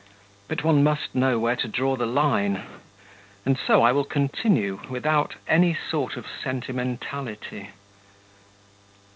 But one must know where to draw the line. And so I will continue without any sort of sentimentality.